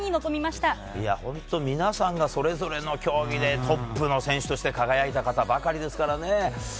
皆さんがそれぞれの競技でトップの選手として輝いた方ですから。